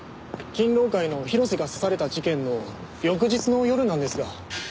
金狼会の広瀬が刺された事件の翌日の夜なんですが。